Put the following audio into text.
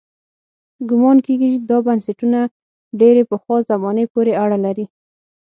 ګومان کېږي دا بنسټونه ډېرې پخوا زمانې پورې اړه لري.